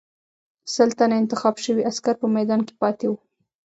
سل تنه انتخاب شوي عسکر په میدان کې پاتې وو.